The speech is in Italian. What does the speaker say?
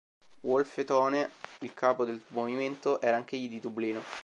Wolfe Tone, il capo del movimento, era anch'egli di Dublino.